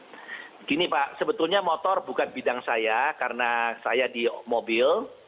begini pak sebetulnya motor bukan bidang saya karena saya di mobil